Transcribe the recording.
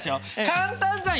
簡単じゃん！